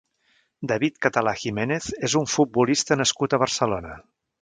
David Català Jiménez és un futbolista nascut a Barcelona.